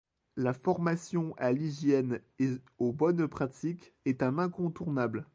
La formation à l'hygiène et aux bonnes pratiques est un incontournable.